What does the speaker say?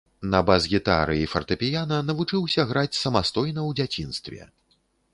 На бас-гітары і фартэпіяна навучыся граць самастойна ў дзяцінстве.